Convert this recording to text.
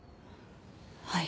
はい。